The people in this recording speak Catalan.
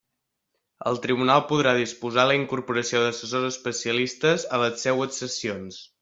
El tribunal podrà disposar la incorporació d'assessors especialistes a les seues sessions.